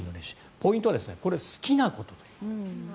ポイントはこれは好きなこと。